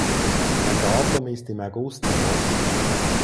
Ein Datum ist im August noch offen.